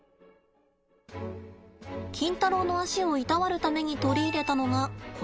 キンタロウの足をいたわるために取り入れたのがこちら。